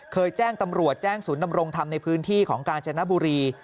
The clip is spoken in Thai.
เคยแจ้งตำรวจแจ้งศูนย์นำรงธรรมในพื้นที่ของกาญจนบุรี